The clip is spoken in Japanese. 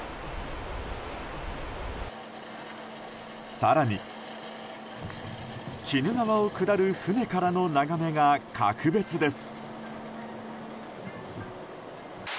更に、鬼怒川を下る船からの眺めが格別です。